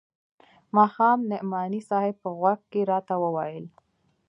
ماښام نعماني صاحب په غوږ کښې راته وويل.